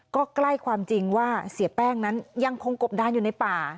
ก็ใกล้ความจริงว่าเสียแป้งนั้นยังคงกบดานอยู่ในป่า